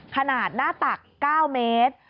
ขนาดหน้าตัก๙เมตร